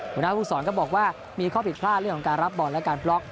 หัวหน้าภูมิสอนก็บอกว่ามีข้อผิดพลาดเรื่องของการรับบอลและการบล็อก